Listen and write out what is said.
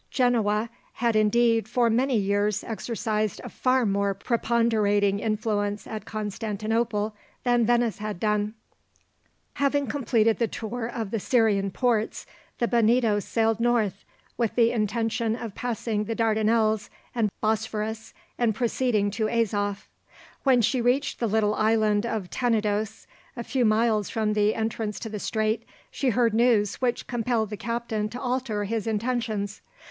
Genoa had, indeed, for many years exercised a far more preponderating influence at Constantinople than Venice had done. Having completed the tour of the Syrian ports, the Bonito sailed north, with the intention of passing the Dardanelles and Bosphorus, and proceeding to Azoph. When she reached the little island of Tenedos, a few miles from the entrance to the strait, she heard news which compelled the captain to alter his intentions.